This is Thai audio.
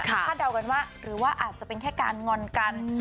เดากันว่าหรือว่าอาจจะเป็นแค่การงอนกัน